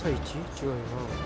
違うよな。